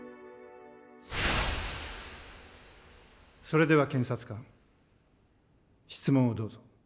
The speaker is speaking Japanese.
それでは検察官質問をどうぞ。